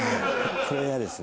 これは嫌ですね。